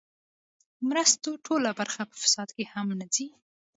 مرستو ټوله برخه په فساد کې هم نه ځي.